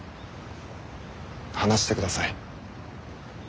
話してください。